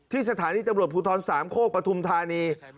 ที่สถานีตำรวจภูทร๓โคกประทุมธานี